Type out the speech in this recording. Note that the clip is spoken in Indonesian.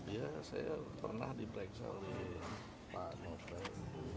ya saya pernah diperiksa oleh pak nopi rani